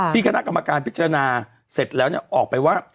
คณะกรรมการพิจารณาเสร็จแล้วออกไปว่า